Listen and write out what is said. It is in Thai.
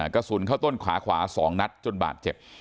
กระสุนเข้าต้นขาขวา๒นัดจนบาดเจ็บ